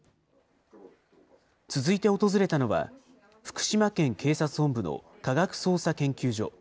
続いて訪れたのは、福島県警察本部の科学捜査研究所。